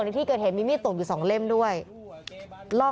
เพราะถูกทำร้ายเหมือนการบาดเจ็บเนื้อตัวมีแผลถลอก